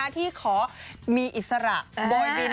ที่ขอมีอิสระโบยบิน